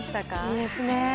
いいですね。